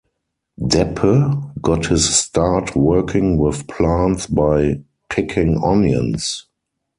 Deppe got his start working with plants by picking onions.